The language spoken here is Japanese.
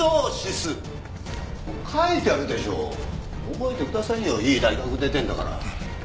覚えてくださいよいい大学出てるんだから。